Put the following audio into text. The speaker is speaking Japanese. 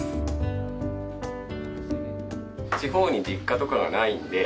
地方に実家とかがないんで。